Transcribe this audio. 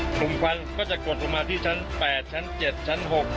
กลุ่มควันก็จะกดลงมาที่ชั้น๘ชั้น๗ชั้น๖